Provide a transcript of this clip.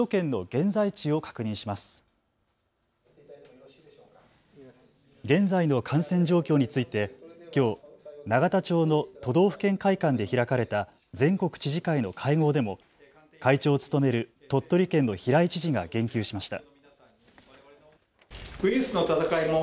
現在の感染状況についてきょう永田町の都道府県会館で開かれた全国知事会の会合でも会長を務める鳥取県の平井知事が言及しました。